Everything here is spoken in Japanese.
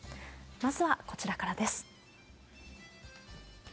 まずはこちらからです。